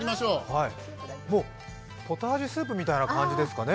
ポタージュスープみたいな感じですかね。